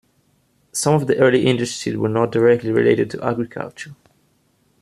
Some of the early industries were not directly related to agriculture.